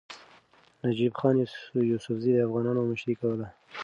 نجیب خان یوسفزي د افغانانو مشري کوله.